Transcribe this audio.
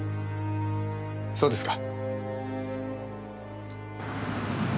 そうですか。